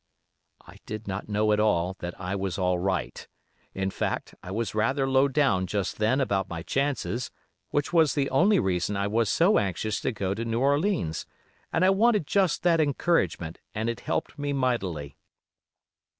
"I did not know at all that I was all right; in fact, I was rather low down just then about my chances, which was the only reason I was so anxious to go to New Orleans, and I wanted just that encouragement and it helped me mightily.